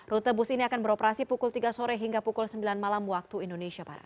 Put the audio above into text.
rute bus ini akan beroperasi pukul tiga sore hingga pukul sembilan malam waktu indonesia barat